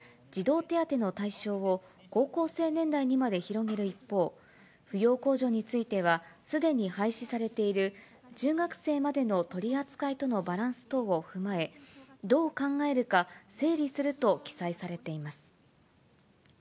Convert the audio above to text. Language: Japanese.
先月発表された政府の方針には、児童手当の対象を高校生年代にまで広げる一方、扶養控除については、すでに廃止されている中学生までの取り扱いとのバランス等を踏まえ、どう考えるか整理すると記載されています。